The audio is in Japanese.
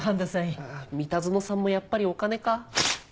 三田園さんもやっぱりお金か。